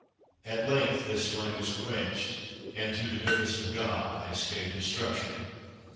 At length this flame was quenched, and, through the goodness of God, I escaped destruction.